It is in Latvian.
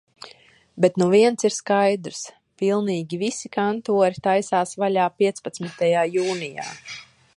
Bet nu viens ir skaidrs – pilnīgi visi kantori taisās vaļā piecpadsmitajā jūnijā.